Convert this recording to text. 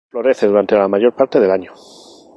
Florece durante la mayor parte del año.